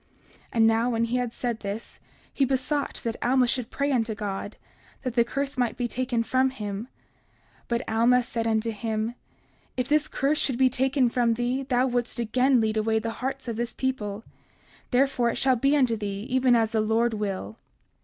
30:54 Now when he had said this, he besought that Alma should pray unto God, that the curse might be taken from him. 30:55 But Alma said unto him: If this curse should be taken from thee thou wouldst again lead away the hearts of this people; therefore, it shall be unto thee even as the Lord will.